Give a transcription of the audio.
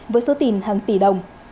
với số tình hàng tỷ đồng